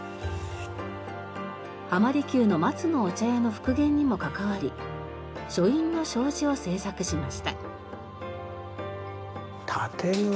浜離宮の松の御茶屋の復元にも関わり書院の障子を製作しました。